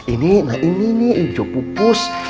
ini nah ini nih ijo pupus